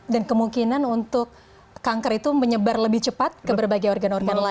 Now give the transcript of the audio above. dan kemungkinan untuk kanker itu menyebar lebih cepat ke berbagai organ organ lain